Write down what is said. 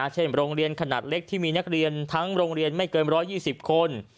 เช่นโรงเรียนขนาดเล็กที่มีนักเรียนทั้งโรงเรียนไม่เกิน๑๒๐คน